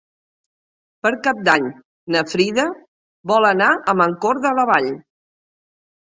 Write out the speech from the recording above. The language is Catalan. Per Cap d'Any na Frida vol anar a Mancor de la Vall.